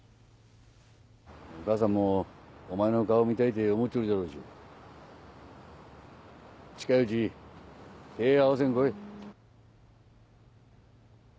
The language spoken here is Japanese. お母さんもお前の顔見たいて思うちょるじゃろうし近いうち手ぇ合わせに来い。